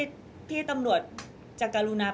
มิวยังมีเจ้าหน้าที่ตำรวจอีกหลายคนที่พร้อมจะให้ความยุติธรรมกับมิว